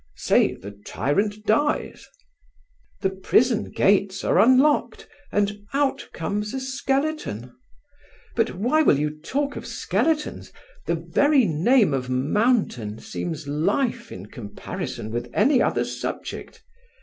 Say the tyrant dies?" "The prison gates are unlocked and out comes a skeleton. But why will you talk of skeletons! The very name of mountain seems life in comparison with any other subject."